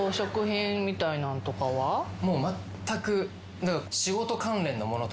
もうまったく。